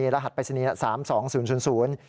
รหัสปริศนีย์๓๒๐๐